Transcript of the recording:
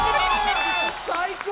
最高！